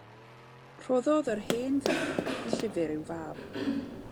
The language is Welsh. Rhoddodd yr hen ddyn y llyfr i'w fab.